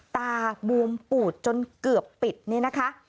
ตาบวมปูดจนเกือบปิดนี่นะคะ